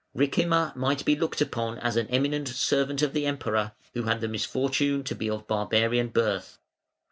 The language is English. Ricimer might be looked upon as an eminent servant of the Emperor who had the misfortune to be of barbarian birth.